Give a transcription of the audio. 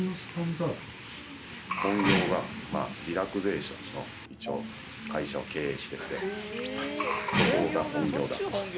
本業がリラクゼーションの一応会社を経営しててそこが本業だと。